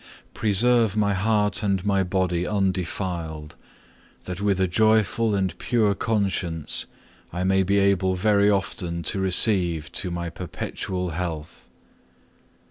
Preserve my heart and my body undefiled, that with a joyful and pure conscience I may be able very often to [celebrate, and](2) receive to my perpetual health.